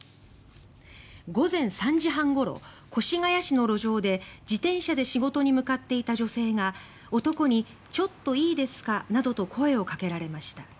午前３時半ごろ越谷市の路上で自転車で仕事に向かっていた女性が男に、ちょっといいですかなどと声をかけられました。